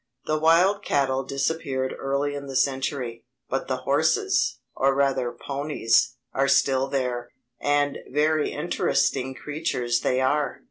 The wild cattle disappeared early in the century; but the horses, or rather ponies, are still there, and very interesting creatures they are.